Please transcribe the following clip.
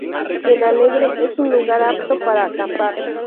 El Alegre es un lugar apto para acampar.